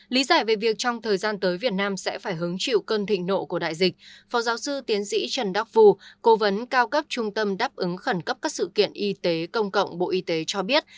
lý giải về việc trong thời gian tới việt nam sẽ phải hứng chịu cơn thịnh nộ của đại dịch phó giáo sư tiến sĩ trần đắc vu cố vấn cao cấp trung tâm đáp ứng khẩn cấp các sự kiện y tế công cộng bộ y tế cho biết